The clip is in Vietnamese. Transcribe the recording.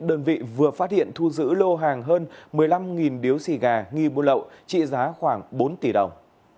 đơn vị vừa phát hiện thu giữ lô hàng hơn một mươi năm điếu xì gà nghi bô lậu trị giá khoảng bốn tỷ đồng